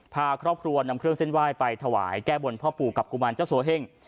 พาครอบครัวนำเครื่องเส้นไหว้ไปถวายแก้บนพ่อปู่กับกุมารเจ้าสัวเฮ่ง